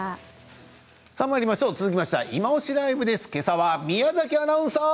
続きましては「いまオシ！ＬＩＶＥ」です。けさは宮崎アナウンサー！